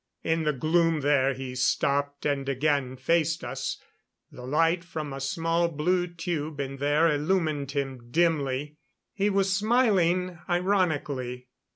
In the gloom there, he stopped and again faced us; the light from a small blue tube in there illumined him dimly. He was smiling ironically.